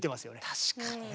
確かにね。